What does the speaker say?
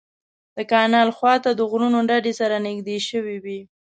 د کانال خوا ته د غرونو ډډې سره نږدې شوې وې.